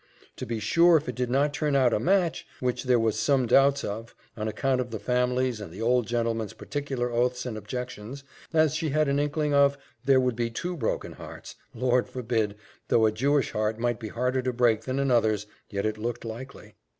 To be sure if it did not turn out a match, which there was some doubts of, on account of the family's and the old gentleman's particular oaths and objections, as she had an inkling of, there would be two broken hearts. Lord forbid! though a Jewish heart might be harder to break than another's, yet it looked likely."